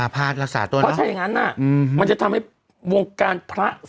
เพราะว่าใช่อย่างนั้นนะมันจะทำให้วงการพระสื่อมลง